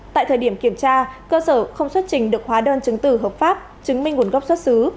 tại thời điểm kiểm tra cơ sở không xuất trình được hóa đơn chứng tử hợp pháp chứng minh nguồn gốc xuất xứ